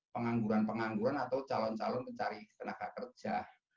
pengangguran pengangguran atau calon calon mencari tenaga kerja